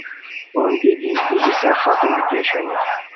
پوندی دی ای حصہ ختم بیتی اوشونی